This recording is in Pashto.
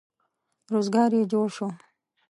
روزګار یې جوړ شو.